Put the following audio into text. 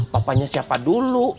papanya siapa dulu